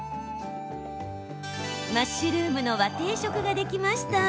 マッシュルームの和定食ができました。